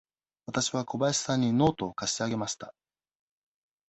わたしは小林さんにノートを貸してあげました。